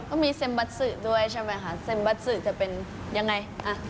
ก็มีเซ็มบัสสือด้วยใช่ไหมคะเซ็มบัสสือจะเป็นยังไงอ่ะ